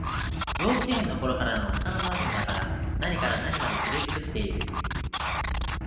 幼稚園のころからの幼なじみだから、何から何まで知り尽くしている